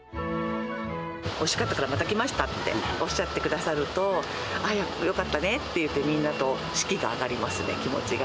おいしかったからまた来ましたっておっしゃってくださると、あっ、よかったねって、みんなと士気が上がりますね、気持ちが。